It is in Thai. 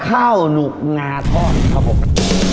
ข้าวหนุกงาทอดครับผม